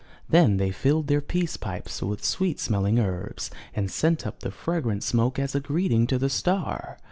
Then they filled their peace pipes with sweet smelling herbs, and sent up the fragrant smoke as a greeting to the star.